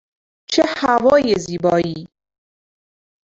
چه هوای زیبایی!